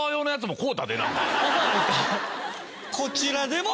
こちらでも。